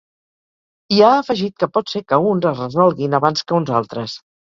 I ha afegit que pot ser que uns es resolguin abans que uns altres.